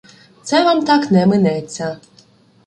Це вам так не минеться.